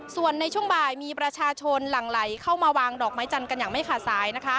ส่วนในช่วงบ่ายมีประชาชนหลั่งไหลเข้ามาวางดอกไม้จันทร์กันอย่างไม่ขาดสาย